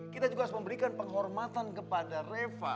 kita juga harus memberikan penghormatan kepada reva